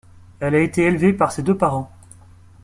Elle a été élevée par ses deux parents.